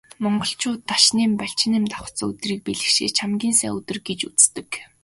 Монголчууд Дашням, Балжинням давхацсан өдрийг бэлгэшээж хамгийн сайн өдөр гэж үздэг.